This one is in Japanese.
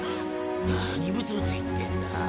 何ブツブツ言ってんだあ？